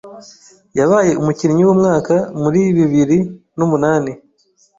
Yabaye umukinnyi w’umwaka muri bibiri numunani